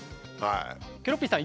ケロッピーさん